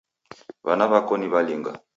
W'ana w'ako ni w'alinga?